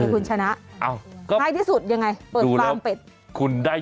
คุณชนะง่ายที่สุดยังไงเปิดฟาร์มเป็ดอ้าวดูแล้ว